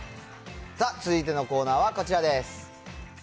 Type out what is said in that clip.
さあ、続いてのコーナーはこちらです。